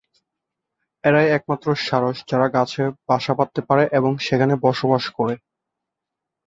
এরাই একমাত্র সারস যারা গাছে বাসা বাঁধতে পারে এবং সেখানে বসবাস করে।